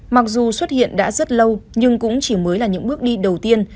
mặc dù xuất hiện đã rất lâu nhưng cũng chỉ mới là những bước đi đầu tiên